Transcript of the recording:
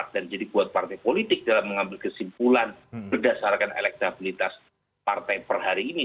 dan jadi buat partai politik dalam mengambil kesimpulan berdasarkan elektabilitas partai per hari ini